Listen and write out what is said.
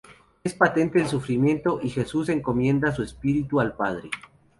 Es patente el sufrimiento y Jesús encomienda su espíritu al Padre.